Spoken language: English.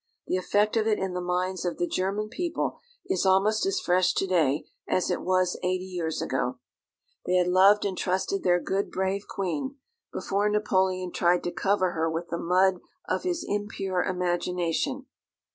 The effect of it in the minds of the German people is almost as fresh to day as it was eighty years ago. They had loved and trusted their good, brave Queen, before Napoleon tried to cover her with the mud of his impure imagination.